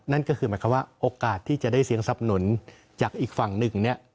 นั่นก็คือหมายความว่าโอกาสที่จะได้เสียงสับหนุนจากอีกฝั่งหนึ่งเนี่ย